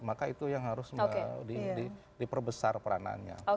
maka itu yang harus diperbesar peranannya